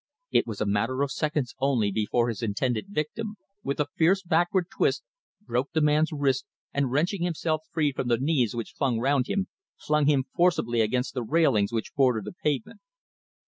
It was a matter of seconds only before his intended victim, with a fierce backward twist, broke the man's wrist and, wrenching himself free from the knees which clung around him, flung him forcibly against the railings which bordered the pavement.